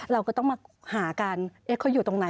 เราก็ต้องมาหากันเขาอยู่ตรงไหน